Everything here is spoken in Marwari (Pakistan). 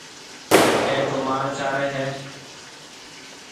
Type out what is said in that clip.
اَي تو مال چاري هيَ۔